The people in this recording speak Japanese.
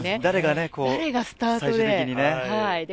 誰がスタートで。